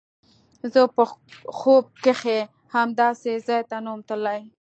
زه په خوب کښې هم داسې ځاى ته نه وم تللى.